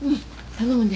頼むね。